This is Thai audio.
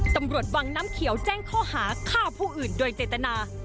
ตำรวจวังน้ำเขียวแจ้งข้อหาฆ่าผู้อื่นโดยเจตนา